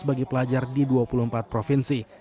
bagi pelajar di dua puluh empat provinsi